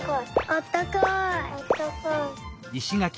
あったかい。